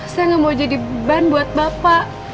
saya nggak mau jadi beban buat bapak